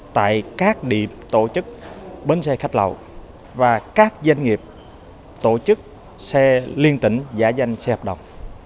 tại các điểm tổ chức bến xe khách lậu và các doanh nghiệp tổ chức xe liên tỉnh giả danh xe hợp đồng